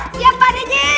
siap pak dj